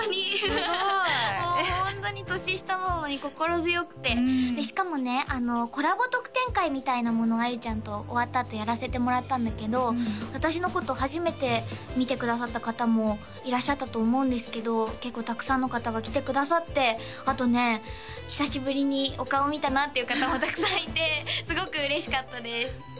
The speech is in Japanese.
もうホントに年下なのに心強くてしかもねコラボ特典会みたいなものを杏優ちゃんと終わったあとやらせてもらったんだけど私のこと初めて見てくださった方もいらっしゃったと思うんですけど結構たくさんの方が来てくださってあとね久しぶりにお顔見たなっていう方もたくさんいてすごく嬉しかったです